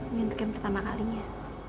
ini untuk yang pertama kalinya